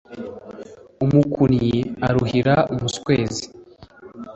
Umukunnyi aruhira umuswezi.